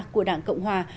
của đảng cộng hòa